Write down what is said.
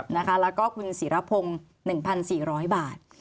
แล้วก็คุณศิรพงศ์๑๔๐๐บาท